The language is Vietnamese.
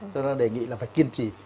cho nên đề nghị là phải kiên trì